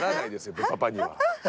「ブパパ」には。